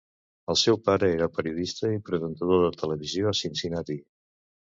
El seu pare era periodista i presentador de televisió a Cincinnati.